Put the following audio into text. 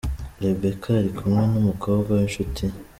Rebekah ari kumwe n’umukobwa w’inshuti ye.